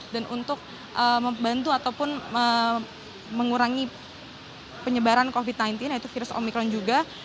dan untuk membantu ataupun mengurangi penyebaran covid sembilan belas yaitu virus omikron juga